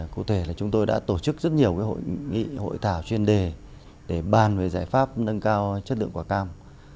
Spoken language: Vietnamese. cụ thể là chúng tôi đã tổ chức rất nhiều hội thảo chuyên đề để bàn về giải pháp nâng cao chất lượng quả cam